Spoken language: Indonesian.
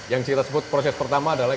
yang kita sebut proses pertama adalah